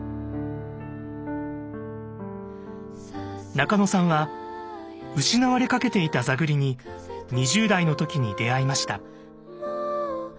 中野さんは失われかけていた座繰りに２０代の時に出会いました。